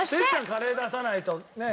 カレー出さないとねえ？